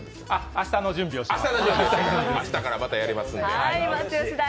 明日の準備をします。